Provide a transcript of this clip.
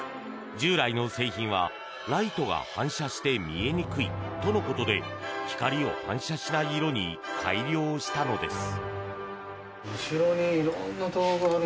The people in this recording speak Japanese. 従来の製品は、ライトが反射して見えにくいとのことで光を反射しない色に改良したのです。